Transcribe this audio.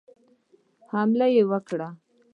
حمله وکړي.